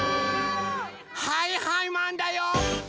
はいはいマンだよ！